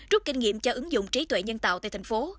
rút kinh nghiệm cho ứng dụng trí tuệ nhân tạo tại thành phố